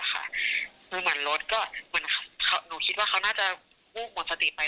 หนูแม่นรถก็เหมือนหนูคิดว่าน่าจะวูบสมศติไป